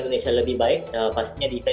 saya juga menarik dari thailand